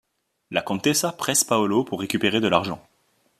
La Contessa presse Paolo pour récupérer de l'argent.